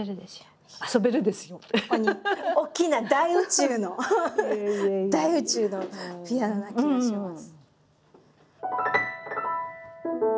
大きな大宇宙の大宇宙のピアノな気がします。